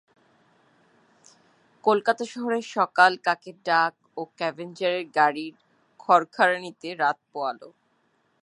কলকাতা শহরের সকাল, কাকের ডাক ও স্ক্যাভেঞ্জারের গাড়ির খড়খড়ানিতে রাত পোয়ালো।